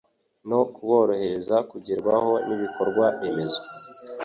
no kuborohereza kugerwaho n'ibikorwa remezo